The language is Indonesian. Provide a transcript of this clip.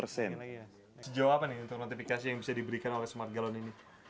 sejauh apa nih untuk notifikasi yang bisa diberikan oleh smart galon ini